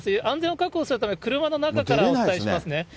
安全を確保するため、車の中からお伝えしますね。